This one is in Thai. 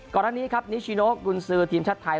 ก่อนด้านนี้นิชิโนกุลซืทีมชาติไทย